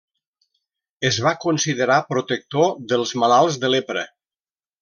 Es va considerar protector dels malalts de lepra.